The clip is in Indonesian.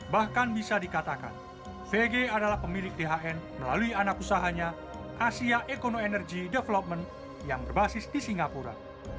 bahkan bisa dikatakan vg adalah pemilik thn melalui anak usahanya asia econo energy development yang berbasis di singapura